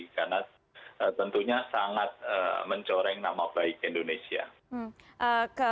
karena tentunya sangat mencoreng nama baik indonesia